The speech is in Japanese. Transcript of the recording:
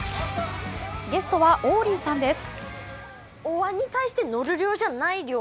ゲストは王林さんです。